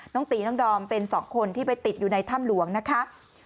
ตีน้องดอมเป็น๒คนที่ไปติดอยู่ในถ้ำหลวงนะคะ